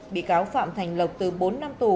bị cáo phạm thành lộc từ bốn năm tù